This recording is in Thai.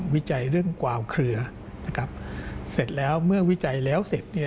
วิจัยเรื่องกวาวเครือนะครับเสร็จแล้วเมื่อวิจัยแล้วเสร็จ